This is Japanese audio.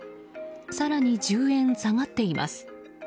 更に１０円下がっています。